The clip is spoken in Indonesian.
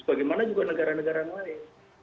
bagaimana juga negara negara lain